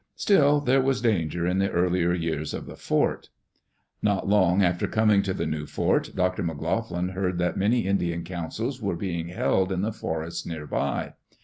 Still there was danger in the earlier years of the fort. Not long after coming to the new fort, Dr. McLoughlin heard that many Indian councils were being held in the forests near by.